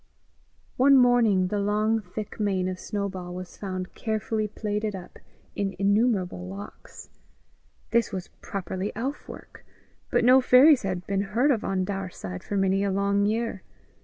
One morning the long thick mane of Snowball was found carefully plaited up in innumerable locks. This was properly elf work, but no fairies had been heard of on Daurside for many a long year.